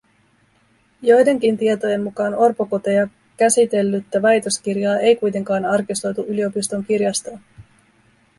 Joidenkin tietojen mukaan orpokoteja käsitellyttä väitöskirjaa ei kuitenkaan arkistoitu yliopiston kirjastoon